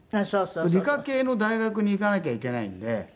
理科系の大学に行かなきゃいけないんで。